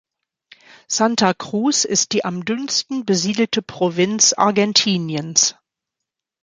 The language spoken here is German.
Santa Cruz ist die am dünnsten besiedelte Provinz Argentiniens.